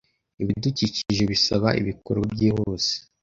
Ibidukikije bisaba ibikorwa byihuse.